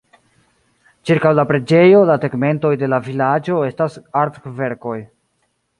Ĉirkaŭ la preĝejo, la tegmentoj de la vilaĝo estas artverkoj.